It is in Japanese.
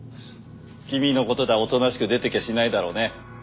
君の事だおとなしく出てきゃしないだろうね。